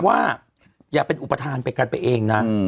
ว่าอย่าเป็นอุปทานไปกันไปเองนะ